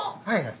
はい。